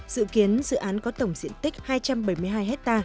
dự kiến dự án có tổng diện tích hai trăm bảy mươi hai ha